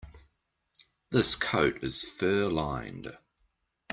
This coat is fur-lined.